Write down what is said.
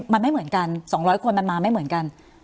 มันไม่เหมือนกัน๒๐๐คนมันมาไม่เหมือนกัน